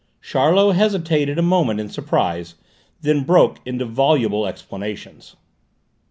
Charlot hesitated a moment in surprise, then broke into voluble explanations.